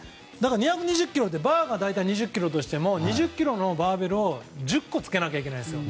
２２０ｋｇってだからバーが２０ｋｇだとしても２０ｋｇのバーベルを１０個つけないといけないんですよ。